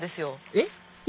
えっ？